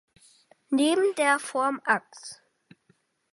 Neben der Form ags.